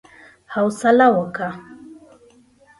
حوصله وکه!